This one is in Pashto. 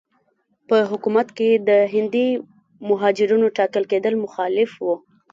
په حکومت کې د هندي مهاجرینو ټاکل کېدل مخالف وو.